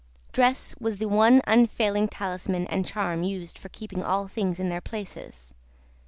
Dress was the one unfailing talisman and charm used for keeping all things in their places.